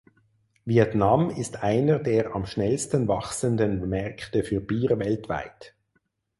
Vietnam ist einer der am schnellsten wachsenden Märkte für Bier weltweit.